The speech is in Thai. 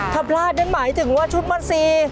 ถ้าพลาดนั่นหมายถึงว่าชุดม่อนซี